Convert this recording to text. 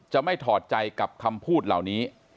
ไม่ถอดใจกับคำพูดเหล่านี้